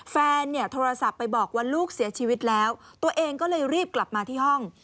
แฟนเนี่ยโทรศัพท์ไปบอกว่าลูกเสียชีวิตแล้วตัวเองก็เลยรีบกลับมาที่ห้อง